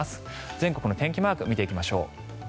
全国の天気マークを見ていきましょう。